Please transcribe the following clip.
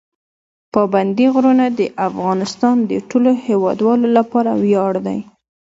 پابندي غرونه د افغانستان د ټولو هیوادوالو لپاره ویاړ دی.